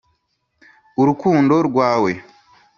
urukundo rwawe